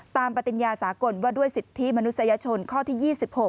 ปฏิญญาสากลว่าด้วยสิทธิมนุษยชนข้อที่๒๖